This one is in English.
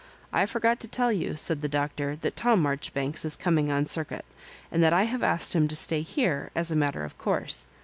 " I forgot to tell you," said the Doc tor, " that Tom Marjoribanks is coming on Cir cuit, and that I have asked him to stay here, as a matter of course.